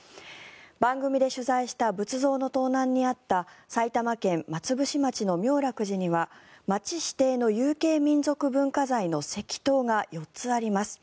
番組で取材した仏像の盗難に遭った埼玉県松伏町の妙楽寺には町指定の有形民俗文化財の石塔が４つあります。